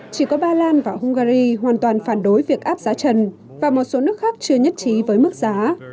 chỉ có ba lan và hungary hoàn toàn phản đối việc áp giá trần và một số nước khác chưa nhất trí với mức giá